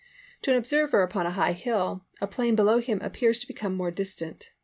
To an observer upon a high hill, a plain below him appears to become more distant.